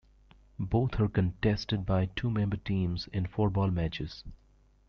Both are contested by two-member teams in four-ball matches.